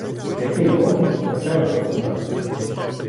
Який розум, така й господарка.